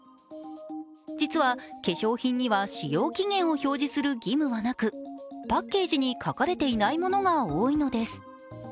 実は、化粧品には使用期限を表示する義務はなく、パッケージに書かれていないものが多いのです。